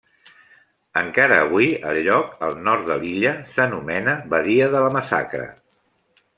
Encara avui el lloc, al nord de l'illa, s'anomena Badia de la Massacre.